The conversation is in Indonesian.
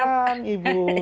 enggak usah diulang ibu